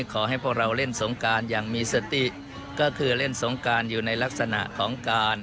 ขอให้พวกเราเล่นสงการอย่างมีสติก็คือเล่นสงการอยู่ในลักษณะของการ